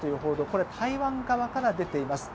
これは台湾側から出ています。